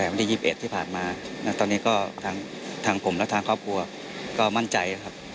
วันที่๒๑ที่ผ่านมาตอนนี้ก็ทางผมและทางครอบครัวก็มั่นใจครับ